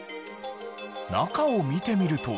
中を見てみると。